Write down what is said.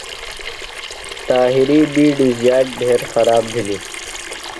طاہر یۡ بیڈیۡ زیات ڈھیر خراب بھِلیۡ۔